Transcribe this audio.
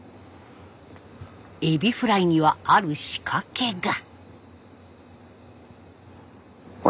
エビフライにはある仕掛けが。